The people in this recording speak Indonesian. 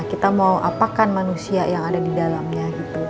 kita mau apakan manusia yang ada di dalamnya